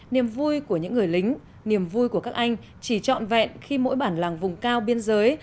niềm vui của những người lính niềm vui của các anh chỉ trọn vẹn khi mỗi bản làng vùng cao biên giới